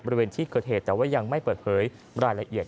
บริเวณที่เกิดเหตุแต่ว่ายังไม่เปิดเผยรายละเอียด